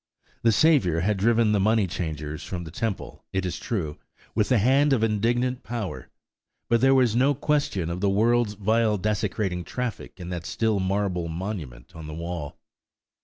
The Savior had driven the money changers from the temple, it is true, with the hand of indignant power; but there was no question of the world's vile desecrating traffic in that still marble monument on the wall.